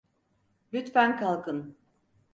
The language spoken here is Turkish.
Lütfen kalkın.